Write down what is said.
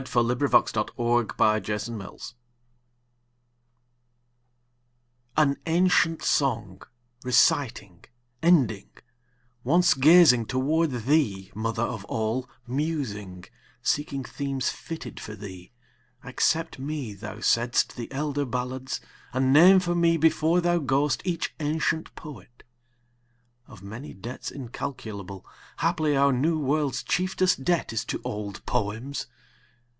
Can I not know, identify thee? Old Chants An ancient song, reciting, ending, Once gazing toward thee, Mother of All, Musing, seeking themes fitted for thee, Accept me, thou saidst, the elder ballads, And name for me before thou goest each ancient poet. (Of many debts incalculable, Haply our New World's chieftest debt is to old poems.)